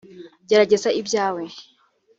gerageza ibyawe